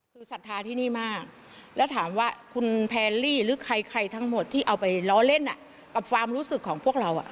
คือศรัทธาที่นี่มากแล้วถามว่าคุณแพรลี่หรือใครทั้งหมดที่เอาไปล้อเล่นกับความรู้สึกของพวกเรา